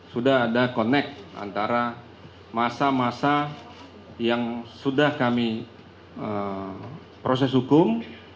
sudah ada connect antara masa masa yang sudah kami proses hukum